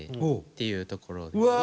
っていうところです。